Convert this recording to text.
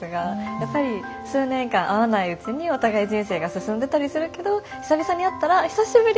やっぱり数年間会わないうちにお互い人生が進んでたりするけど久々に会ったら「久しぶり。